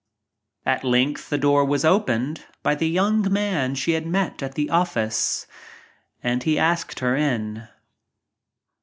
At length the door was opened by the young man she had 'met at the office and he asked her in.